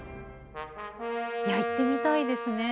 行ってみたいですね。